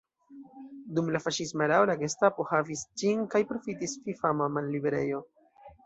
Dum la faŝisma erao la Gestapo havis ĝin kaj profitis fifama malliberejo.